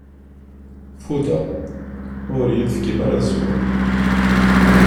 Fudeɣ, ur yi-tefkim ara ad sweɣ.